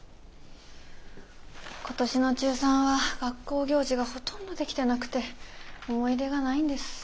今年の中３は学校行事がほとんどできてなくて思い出がないんです。